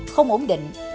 không ổn định